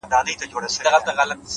مثبت انسان د هیلو اور بل ساتي’